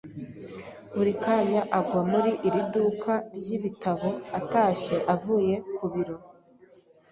Buri kanya agwa muri iri duka ryibitabo atashye avuye ku biro.